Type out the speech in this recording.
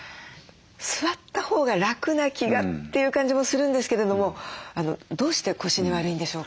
座ったほうが楽な気がっていう感じもするんですけれどもどうして腰に悪いんでしょうか？